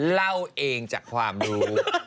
เล่าเองจากความรู้